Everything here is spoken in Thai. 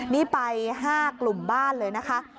นี่ไป๕กลุ่มบ้านเลยนะคะ